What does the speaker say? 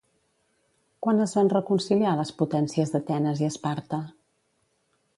Quan es van reconciliar, les potències d'Atenes i Esparta?